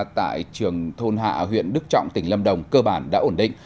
tại trường thôn hạ huyện đức trọng tỉnh lâm đồng cơ bản đã ổn định